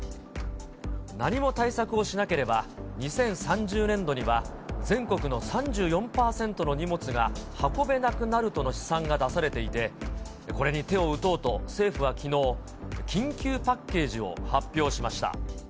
何も対策をしなければ、２０３０年度には全国の３４％の荷物が運べなくなるとの試算が出されていて、これに手を打とうと政府はきのう、緊急パッケージを発表しました。